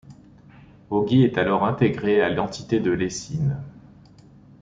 Ogy est alors intégré à l'entité de Lessines.